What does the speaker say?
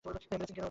মেরেছেন কেন ওকে?